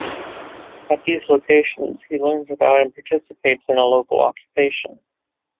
At these locations, he learns about and participates in a local occupation.